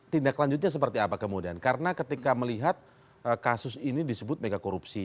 tindak lanjutnya seperti apa kemudian karena ketika melihat kasus ini disebut mega korupsi